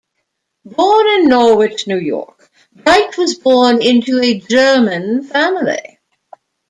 Born in Norwich, New York, Bright was born into a German family.